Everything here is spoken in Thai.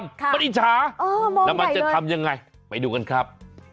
มันอิจฉาแล้วมันจะทำยังไงไปดูกันครับ